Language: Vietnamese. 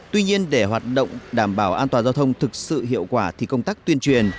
tuy nhiên để hoạt động đảm bảo an toàn giao thông thực sự hiệu quả thì công tác tuyên truyền